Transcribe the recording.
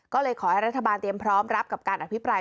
ก็เลยขอให้รัฐบาลเตรียมพร้อมรับกับการอภิปราย